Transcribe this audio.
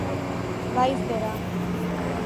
Bai zera!